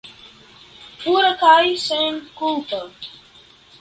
Pura kaj senkulpa!